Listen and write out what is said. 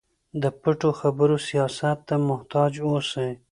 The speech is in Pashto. د پټو خبرو سیاست ته محتاط اوسئ.